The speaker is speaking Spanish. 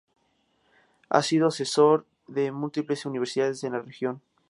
Ha sido asesor de múltiples universidades de la región.